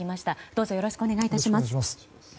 どうぞよろしくお願い致します。